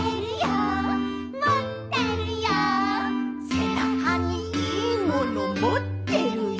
「せなかにいいものもってるよ」